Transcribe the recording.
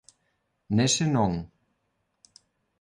Nese non.